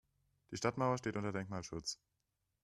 Die Stadtmauer steht unter Denkmalschutz.